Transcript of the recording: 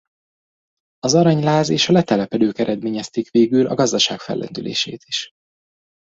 Az aranyláz és a letelepedők eredményezték végül a gazdaság fellendülését is.